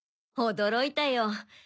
驚いたよ。